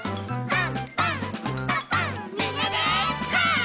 パン！